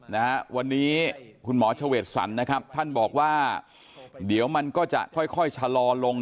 นะฮะวันนี้คุณหมอเฉวดสรรนะครับท่านบอกว่าเดี๋ยวมันก็จะค่อยค่อยชะลอลง